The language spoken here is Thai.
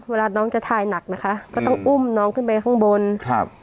เวลาน้องจะทายหนักนะคะก็ต้องอุ้มน้องขึ้นไปข้างบนครับ